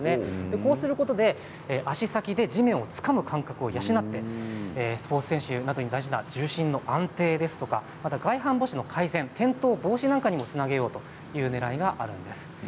こうすることで足先で地面をつかむ感覚を養ってスポーツ選手などに大事な重心の安定、外反ぼしの改善、転倒防止にもつなげようというねらいがあるんです。